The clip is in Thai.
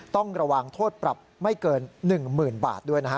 ต้องระวังโทษปรับไม่เกิน๑๐๐๐บาทด้วยนะฮะ